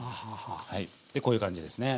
でこういう感じですね。